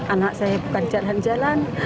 anak saya bukan jalan jalan